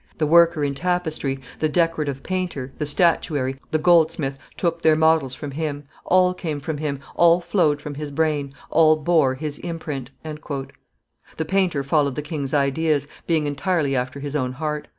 The worker in tapestry, the decorative painter, the statuary, the goldsmith, took their models from him: all came from him, all flowed from his brain, all bore his imprint." The painter followed the king's ideas, being entirely after his own heart.